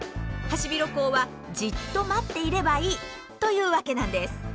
ハシビロコウはじっと待っていればいいというわけなんです。